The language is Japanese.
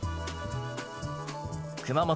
熊本